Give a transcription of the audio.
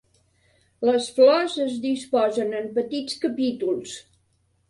Les flors es disposen en petits capítols.